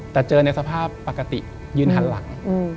แต่เจอในสภาพปกติยืนหันหลัง